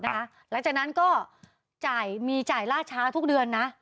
หลังจากนั้นก็มีจ่ายราชาทุกเดือน